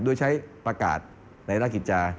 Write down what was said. โดยใช้ประกาศในราชกิจจา